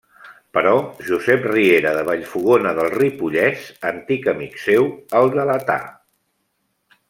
Però Josep Riera, de Vallfogona del Ripollès, antic amic seu, el delatà.